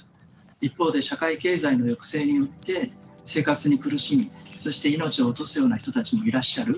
一方で社会経済の抑制によって生活に苦しむ、そして命を落とすような人たちもいらっしゃる。